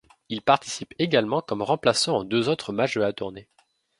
Il participe également comme remplaçant aux deux autres matchs de la tournée.